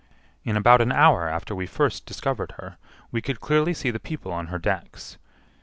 In about an hour after we first discovered her, we could clearly see the people on her decks.